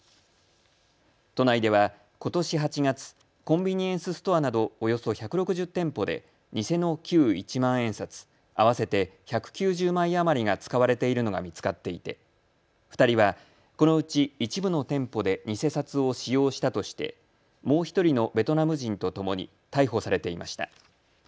都内では、ことし８月、コンビニエンスストアなどおよそ１６０店舗で偽の旧一万円札、合わせて１９０枚余りが使われているのが見つかっていて２人はこのうち一部の店舗で偽札を使用したとしてもう１人のベトナム人とともに逮捕されていました。